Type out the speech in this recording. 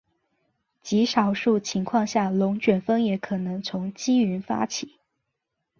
极少数情况下龙卷风也可能从积云发起。